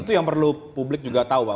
itu yang perlu publik juga tahu pak